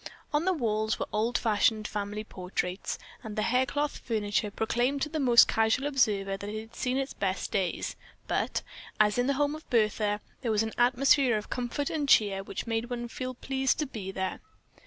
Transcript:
On the walls were old fashioned family portraits, and the haircloth furniture proclaimed to the most casual observer that it had seen its best days, but, as in the home of Bertha, there was an atmosphere of comfort and cheer which made one feel pleased to be there.